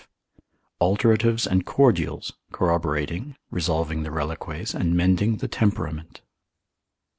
V.—Alteratives and Cordials, corroborating, resolving the Reliques, and mending the Temperament.